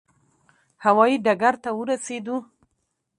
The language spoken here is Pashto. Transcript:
هوا یي ډګر ته ورسېدو.